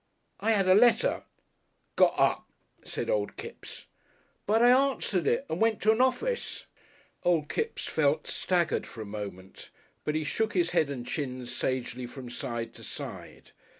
I 'ad a letter." "Got up," said Old Kipps. "But I answered it and went to a norfis." Old Kipps felt staggered for a moment, but he shook his head and chins sagely from side to side.